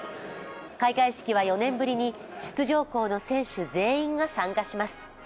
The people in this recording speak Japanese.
開会式は４年ぶりに出場校の選手、全員が参加します。